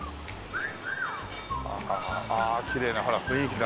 ああきれいなほら雰囲気が。